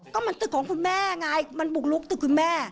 ก็มันตึกของคุณแม่ไงมันบุกลุกตึกคุณแม่